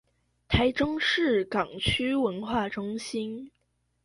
臺中市港區藝術中心